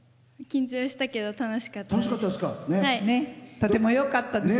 緊張したけど楽しかったです。